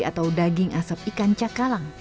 atau daging asap ikan cakalang